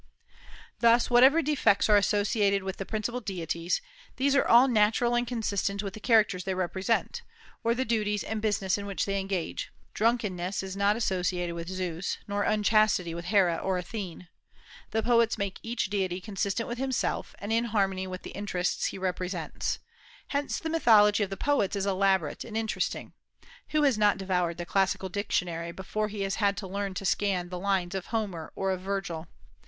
Thus, whatever defects are associated with the principal deities, these are all natural and consistent with the characters they represent, or the duties and business in which they engage. Drunkenness is not associated with Zeus, or unchastity with Hera or Athene. The poets make each deity consistent with himself, and in harmony with the interests he represents. Hence the mythology of the poets is elaborate and interesting. Who has not devoured the classical dictionary before he has learned to scan the lines of Homer or of Virgil?